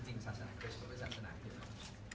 ก็จริงศาสนาคริสต์ก็ไม่ใช่ศาสนาเดียวครับ